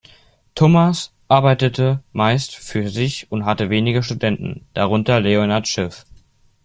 Thomas arbeitete meist für sich und hatte wenige Studenten, darunter Leonard Schiff.